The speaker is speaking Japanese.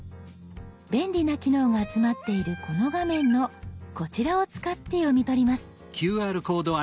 便利な機能が集まっているこの画面のこちらを使って読み取ります。